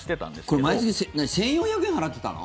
これ、毎月１４００円払ってたの？